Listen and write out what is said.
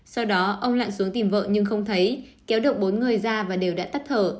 sau đó ông lạn xuống tìm vợ nhưng không thấy kéo được bốn người ra và đều đã tắt thở